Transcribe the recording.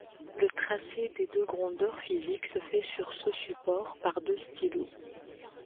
Le tracé des deux grandeurs physiques se fait sur ce support par deux stylos.